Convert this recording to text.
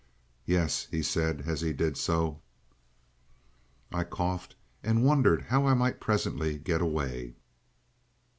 "Yes," he said as he did so. I coughed, and wondered how I might presently get away.